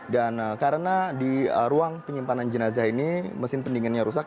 dan karena di ruang penyimpanan jenazah ini mesin pendinginnya rusak